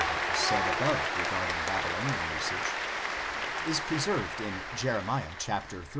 what was said above regarding Babylonian usage), is preserved in Jer. xxxiv.